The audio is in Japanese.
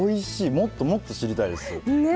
もっともっと知りたいです。